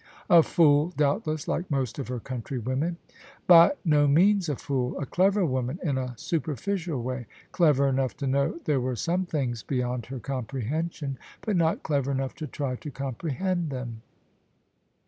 " A fool, doubtless, like most of her country women !" "By no means a fool: a clever woman in a superficial way. Clever enough to know there were some things be yond her comprehension; but not clever enough to try to comprehend them."